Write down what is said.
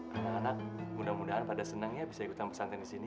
anak anak mudah mudahan pada senangnya bisa ikutan pesantren di sini